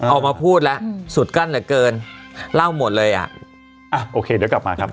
ออกมาพูดแล้วสุดกั้นเหลือเกินเล่าหมดเลยอ่ะอ่ะโอเคเดี๋ยวกลับมาครับ